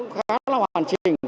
khá là hoàn chỉnh